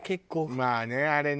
まあねあれね。